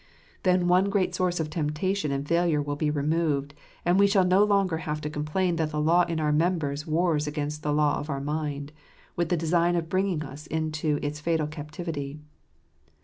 Then one great source of temp tation and failure will be removed, and we shall no longer have to complain that the law in our members wars against the law of our mind, with the design of bringing us into its fatal captivity.